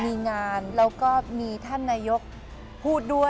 มีงานแล้วก็มีท่านนายกพูดด้วย